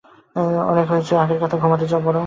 অনেক হয়েছে আগের কথা, ঘুমোতে যাও বরং।